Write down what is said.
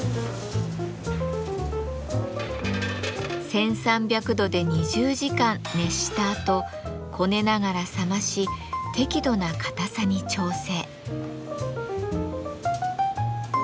１，３００度で２０時間熱したあとこねながら冷まし適度な硬さに調整。